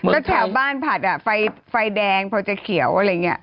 แล้วแถวบ้านภัดอ่ะไฟแดงพอเกี่ยวอะไรเงี้ย